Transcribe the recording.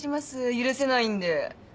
許せないんで。